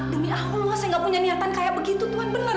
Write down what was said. demi aku saya gak punya niatan kayak begitu tuhan bener